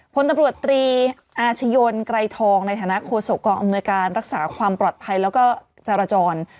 พลตำรวจตรีอาชญนไกรทองในฐานะโฆษกองอำนวยการรักษาความปลอดภัยแล้วก็จรจร